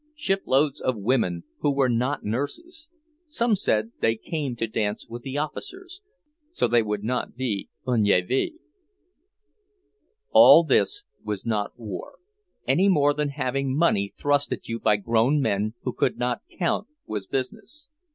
Shiploads of women who were not nurses; some said they came to dance with the officers, so they would not be ennuyés. All this was not war, any more than having money thrust at you by grown men who could not count, was business.